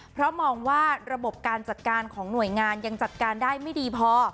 เพราะมองว่าระบบการจัดการของหน่วยงานยังจัดการได้ไม่ดีพอ